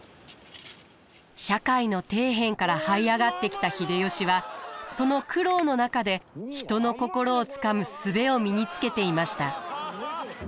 社会の底辺からはい上がってきた秀吉はその苦労の中で人の心をつかむ術を身につけていました。